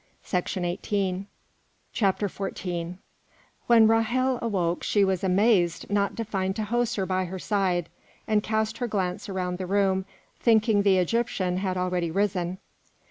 XIV When Ra'hel awoke, she was amazed not to find Tahoser by her side, and cast her glance around the room, thinking the Egyptian had already risen.